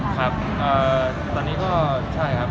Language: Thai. ครับตอนนี้ก็ใช่ครับ